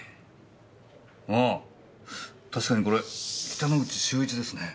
ああ確かにこれ北之口秀一ですね。